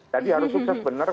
tadi harus sukses benar